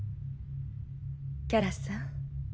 キャラさん。